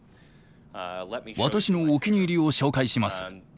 私のお気に入りを紹介します。